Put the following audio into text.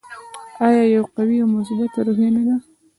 آیا یوه قوي او مثبته روحیه نه ده؟